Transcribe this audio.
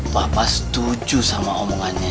papa setuju sama omongannya